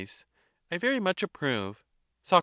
I very much approve. Soc.